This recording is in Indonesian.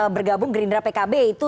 bergabung gerindra pkb itu